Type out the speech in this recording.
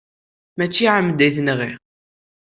Mačči ɛemda i t-nɣiɣ.